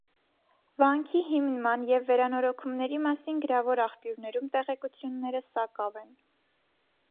Վանքի հիմնման և վերանորոգումների մասին գրավոր աղբյուրներում տեղեկությունները սակավ են։